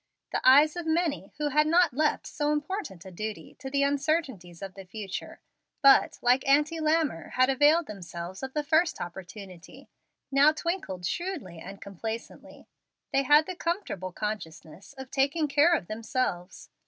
The eyes of many who had not left so important a duty to the uncertainties of the future, but, like Auntie Lammer, had availed themselves of the first opportunity, now twinkled shrewdly and complacently. They had the comfortable consciousness of taking care of themselves.